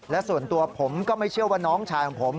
และส่วนตัวผมก็ไม่เชื่อว่าน้องชายของผม